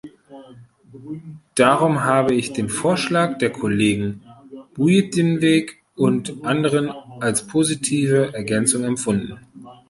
Darum habe ich den Vorschlag der Kollegen Buijtenweg und anderen als positive Ergänzung empfunden.